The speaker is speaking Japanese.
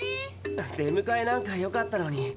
出むかえなんかよかったのに。